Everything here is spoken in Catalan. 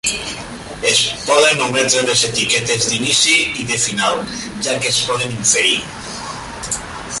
Es poden ometre les etiquetes d'inici i de final, ja que es poden inferir.